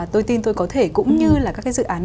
tôi tin tôi có thể cũng như là các cái dự án